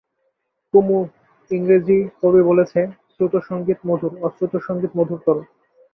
কুমু, ইংরেজ কবি বলেছে, শ্রুত সংগীত মধুর, অশ্রুত সংগীত মধুরতর।